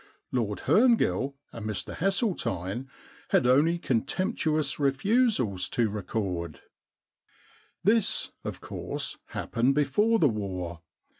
Lord Hcrngill and Mr Hesseltine had only contemptuous refusals to record. This, of course, happened before the war.